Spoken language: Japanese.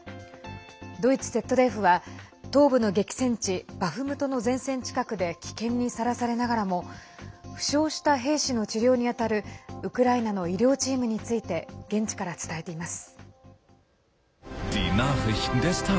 ドイツＺＤＦは東部の激戦地バフムトの前線近くで危険にさらされながらも負傷した兵士の治療に当たるウクライナの医療チームについて現地から伝えています。